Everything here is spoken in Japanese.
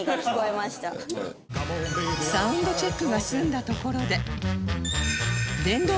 サウンドチェックが済んだところで